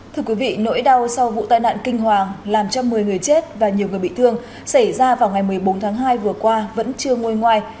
thưa quý vị nỗi đau sau vụ tai nạn kinh hoàng làm cho một mươi người chết và nhiều người bị thương xảy ra vào ngày một mươi bốn tháng hai vừa qua vẫn chưa ngôi ngoài